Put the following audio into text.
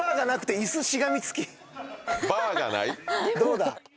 どうだ？